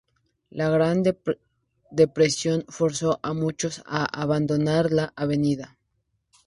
La Gran Depresión forzó a muchos a abandonar la avenida.